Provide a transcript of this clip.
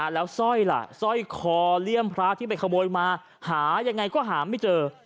แล้วสร้อยล่ะสร้อยคอเลี่ยมพระที่ไปขโมยมาหายังไงก็หาไม่เจอ